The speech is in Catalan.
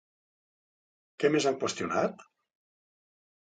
Què més han qüestionat?